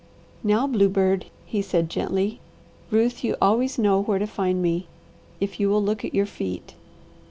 "Now, bluebird," he said gently. "Ruth, you always know where to find me, if you will look at your feet.